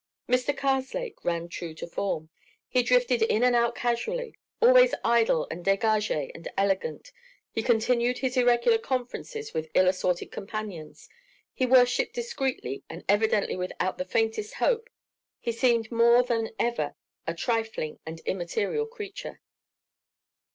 Mr. Karslake ran true to form. He drifted in and out casually, always idle and dégagé and elegant, he continued his irregular conferences with ill assorted companions, he worshipped discreetly and evidently without the faintest hope, he seemed more than ever a trifling and immaterial creature.